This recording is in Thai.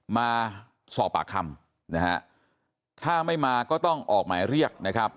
มาสอบปากคำนะฮะถ้าไม่มาก็ต้องออกหมายเรียกนะครับ